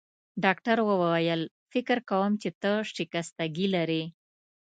ډاکټر وویل: فکر کوم چي ته شکستګي لرې.